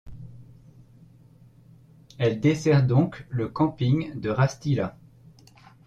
Elle dessert donc le camping de Rastila.